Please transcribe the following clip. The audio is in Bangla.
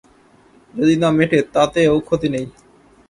যদি না-মেটে তাতেও ক্ষতি নেই।